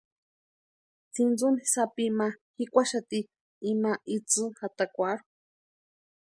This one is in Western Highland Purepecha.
Tsintsuni sápi ma jikwaxati ima itsï jatakwarhu.